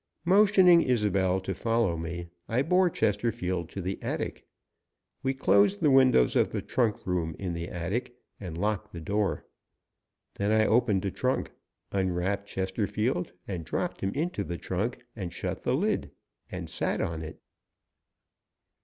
Motioning Isobel to follow me, I bore Chesterfield to the attic. We closed the windows of the trunk room in the attic, and locked the door. Then I opened a trunk, unwrapped Chesterfield and dropped him into the trunk, and shut the lid. And sat on it.